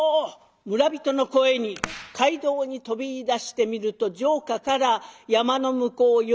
村人の声に街道に飛びいだしてみると城下から山の向こう